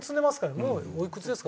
もうおいくつですか？